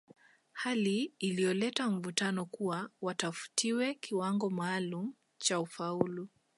Hali iliyoleta mvutano kuwa watafutiwe kiwango maalumu cha ufaulu